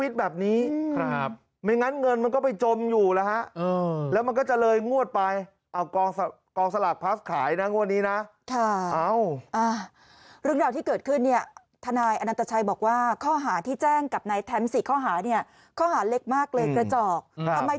ทนายอันตเตอร์ชัยบอกว่าข้อหาที่แจ้งกับนายแท็มส์อยู่ข้อหาเล็กเกราะหาย